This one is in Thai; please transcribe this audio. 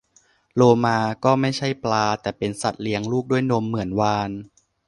โลมา ก็ไม่ใช่ปลา แต่เป็นสัตว์เลี้ยงลูกด้วยนมเหมือนวาฬ